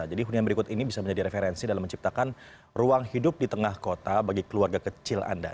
hunian berikut ini bisa menjadi referensi dalam menciptakan ruang hidup di tengah kota bagi keluarga kecil anda